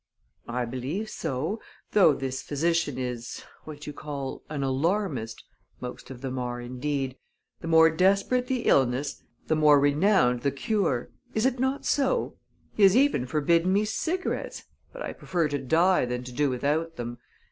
"I believe so; though this physician is what you call an alarmist most of them are, indeed; the more desperate the illness, the more renowned the cure! Is it not so? He has even forbidden me cigarettes, but I prefer to die than to do without them.